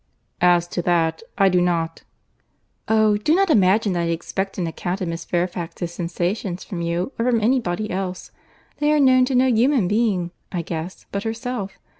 "As to that—I do not—" "Oh! do not imagine that I expect an account of Miss Fairfax's sensations from you, or from any body else. They are known to no human being, I guess, but herself.